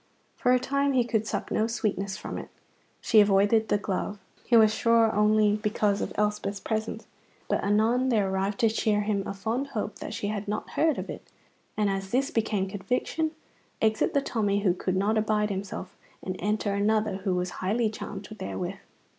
For a time he could suck no sweetness from it. She avoided the glove, he was sure, only because of Elspeth's presence. But anon there arrived to cheer him a fond hope that she had not heard of it, and as this became conviction, exit the Tommy who could not abide himself, and enter another who was highly charmed therewith.